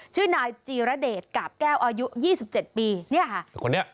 ชื่อนายจีรเดชกาบแก้วอายุ๒๗ปีเนี่ยค่ะ